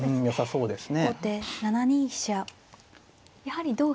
そうですね。